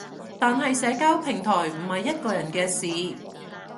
但係社交平台唔係一個人嘅事